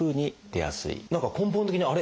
何か根本的にあれ？